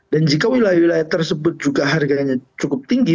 dan jika wilayah wilayah tersebut juga harganya cukup tinggi